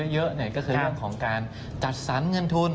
เยอะก็คือเรื่องของการจัดสรรเงินทุน